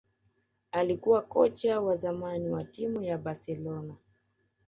alikuwa kocha wa zamani wa timu ya Barcelona